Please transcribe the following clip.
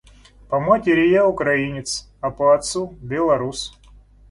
По матери я украинец, а по отцу — белорус.